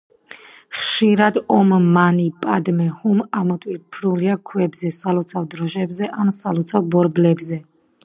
ხშირად „ომ მანი პადმე ჰუმ“ ამოტვიფრულია ქვებზე, სალოცავ დროშებზე ან სალოცავ ბორბლებზე.